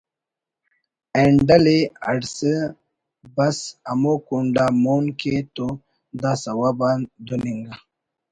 ہینڈل ءِ ہڑسا بس ہمو کنڈ آ مون کے تو دا سوب آن دن انگا